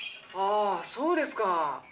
あそうですか。